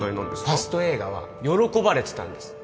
ファスト映画は喜ばれてたんです